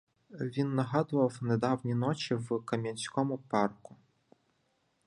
Він нагадував недавні ночі в кам'янському парку.